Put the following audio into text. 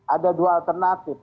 ada dua alternatif